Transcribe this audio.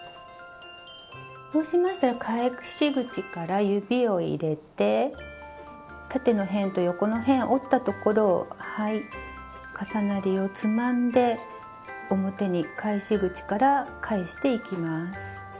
そうしましたら返し口から指を入れて縦の辺と横の辺を折ったところをはい重なりをつまんで表に返し口から返していきます。